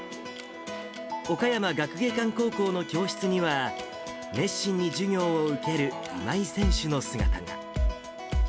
岡山学芸館高校の教室には、熱心に授業を受ける今井選手の姿が。